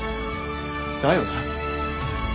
だよな。